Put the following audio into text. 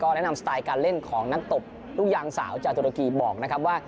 แนะนำสไตล์การเล่นของนักตบลูกยางสาวจากตุรกีบอกนะครับว่า